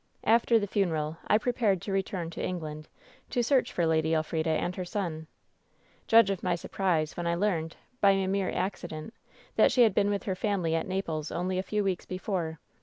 "After the funeral, I prepared to return to England, to search for Lady Elfrida and her son. Judge of my surprise when I learned, by a mere accident, that she had been with her family at Naples only a few weeks before.